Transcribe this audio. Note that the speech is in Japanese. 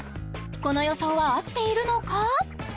この予想は合っているのか？